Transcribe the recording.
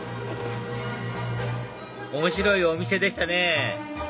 面白いお店でしたね